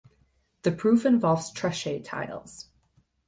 The proof involves Truchet tiles.